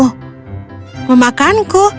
dia bisa saja memakanmu